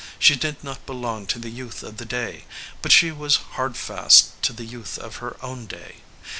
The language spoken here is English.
She did not belong to the youth of the day, but she was hard fast to the youth of her own day.